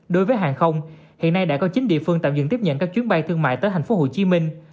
đối với hàng không hiện nay đã có chín địa phương tạm dừng tiếp nhận các chuyến bay thương mại tới thành phố hồ chí minh